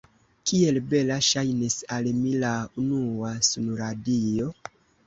Kiel bela ŝajnis al mi la unua sunradio!